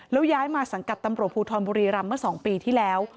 แล้วย้ายมาสังกัดตำรวจภูทรบุรีรำเมื่อ๒ปีที่แล้ว